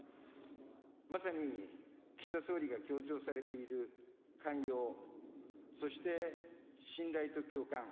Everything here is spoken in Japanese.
まさに岸田総理が強調されている寛容、そして信頼と共感。